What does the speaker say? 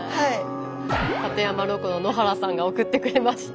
館山ロコの野原さんが送ってくれました。